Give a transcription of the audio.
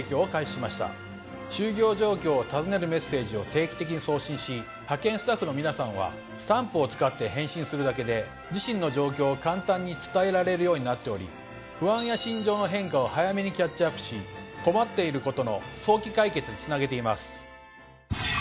就業状況を尋ねるメッセージを定期的に送信し派遣スタッフの皆さんはスタンプを使って返信するだけで自身の状況を簡単に伝えられるようになっており不安や心情の変化を早めにキャッチアップし困っていることの早期解決につなげています。